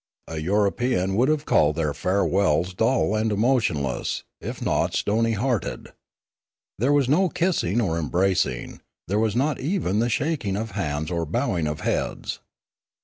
A European would have called their farewells dull and emotionless, if not stony hearted. There was no kissing or embracing; there was not even the shak ing of hands or bowing of heads.